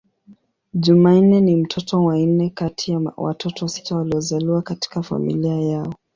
Jumanne ni mtoto wa nne kati ya watoto sita waliozaliwa katika familia yao.